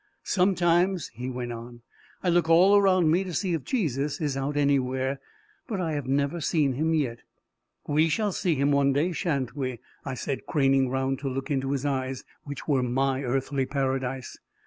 "Sometimes," he went on, "I look all around me to see if Jesus is out anywhere, but I have never seen him yet!" "We shall see him one day, shan't we?" I said, craning round to look into his eyes, which were my earthly paradise.